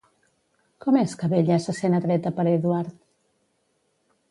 Com és que Bella se sent atreta per Edward?